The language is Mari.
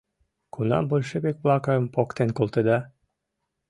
Кунам большевик-влакым поктен колтеда?